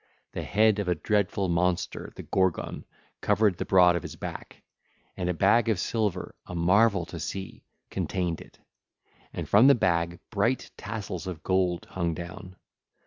The head of a dreadful monster, the Gorgon, covered the broad of his back, and a bag of silver—a marvel to see—contained it: and from the bag bright tassels of gold hung down.